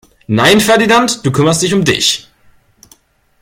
Nein Ferdinand, du kümmerst dich um dich!